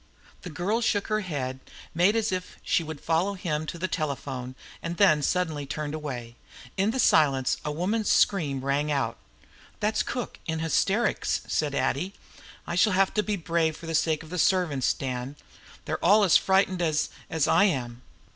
The girl shook her head, made as if she would follow him to the telephone, and then suddenly turned away. In the silence a woman's shrill scream rang out. "That's cook in hysterics," said Addie. "I shall have to be brave for the sake of the servants, Dan. They're all as frightened as as I am."